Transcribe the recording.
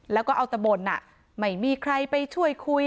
แล้วก็เอาตะบ่นไม่มีใครไปช่วยคุย